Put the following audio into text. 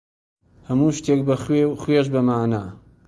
هەموو شتێک بە خوێ، و خوێش بە مەعنا.